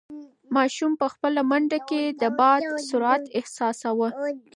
ماشوم په خپله منډه کې د باد سرعت احساساوه.